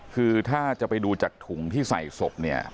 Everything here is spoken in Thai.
คือถ้าจะไปดูจากถุงที่ใส่ศพเนี่ย